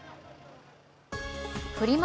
フリマ